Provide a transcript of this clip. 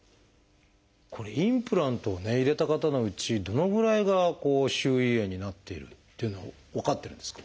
これインプラントをね入れた方のうちどのぐらいが周囲炎になっているっていうのは分かってるんですか？